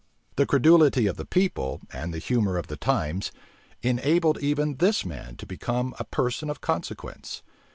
The credulity of the people, and the humor of the times, enabled even this man to become a person of consequence.